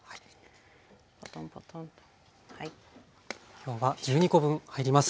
今日は１２コ分入ります。